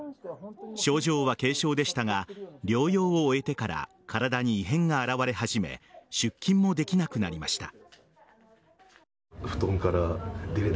症状は軽症でしたが療養を終えてから体に異変が現れ始め出勤もできなくなりました。